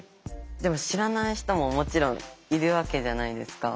でも知らない人ももちろんいるわけじゃないですか。